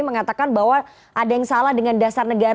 mengatakan bahwa ada yang salah dengan dasar negara